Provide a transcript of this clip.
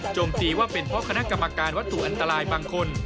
ตีว่าเป็นเพราะคณะกรรมการวัตถุอันตรายบางคน